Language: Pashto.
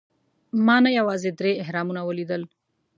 ما نه یوازې درې اهرامونه ولیدل.